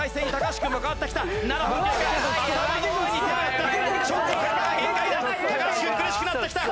橋君苦しくなってきた。